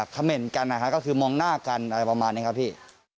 เขม่นกันนะฮะก็คือมองหน้ากันอะไรประมาณนี้ครับพี่